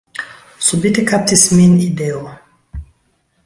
Subite kaptis min ideo.